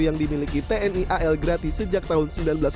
yang dimiliki tni al grati sejak tahun seribu sembilan ratus enam puluh satu